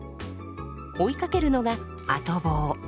追いかけるのが後棒。